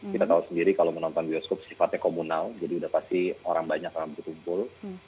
kita tahu sendiri kalau menonton bioskop sifatnya komunal jadi udah pasti orang banyak akan berkumpul